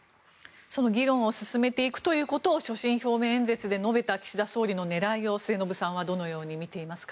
その議論を進めていくということを所信表明演説で述べた岸田総理の狙いを末延さんはどのように見ていますか。